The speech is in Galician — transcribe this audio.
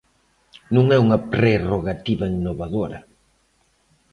Non é unha prerrogativa innovadora.